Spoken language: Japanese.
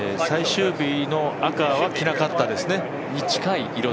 最終日の赤は着なかったですね。